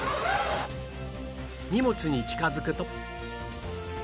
荷物に近づくと